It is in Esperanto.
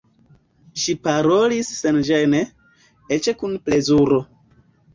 Ŝi parolis senĝene, eĉ kun plezuro.